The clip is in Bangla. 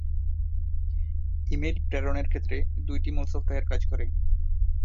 ইমেইল প্রেরণের ক্ষেত্রে দুইটি মূল সফটওয়ার কাজ করে।